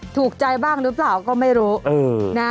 ถูกใจบ้างหรือเปล่าก็ไม่รู้นะ